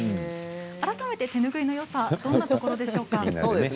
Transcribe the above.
改めて手拭いのよさはどんなところでしょうか。